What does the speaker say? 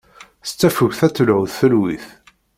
S tafukt ad telhu tfelwit.